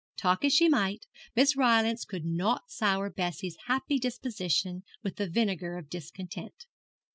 Talk as she might, Miss Rylance could not sour Bessie's happy disposition with the vinegar of discontent.